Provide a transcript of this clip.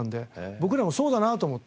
僕らもそうだなと思って。